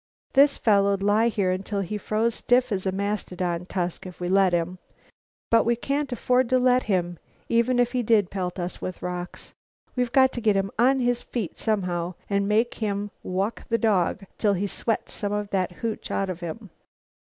This fellow'd lie here until he froze stiff as a mastodon tusk if we'd let him, but we can't afford to let him, even if he did pelt us with rocks. We've got to get him on his feet somehow and make him 'walk the dog' till he sweats some of that hooch out of him."